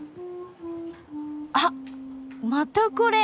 ・あっまたこれ！